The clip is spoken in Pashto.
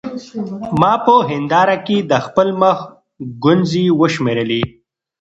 ما په هېنداره کې د خپل مخ ګونځې وشمېرلې.